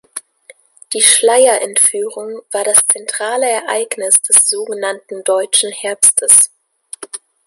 Die Schleyer-Entführung war das zentrale Ereignis des sogenannten „Deutschen Herbstes“.